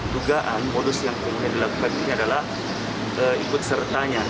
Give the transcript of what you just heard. dugaan modus yang dilakukan ini adalah ikut sertanya